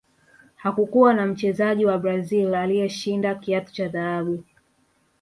hakukuwa na mchezaji wa brazil aliyeshinda kiatu cha dhahabu